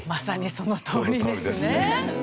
そのとおりですね。